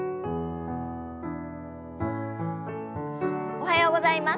おはようございます。